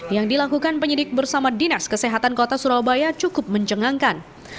yang dilakukan penyidik bersama dinas kesehatan kota surabaya cukup mencengangkan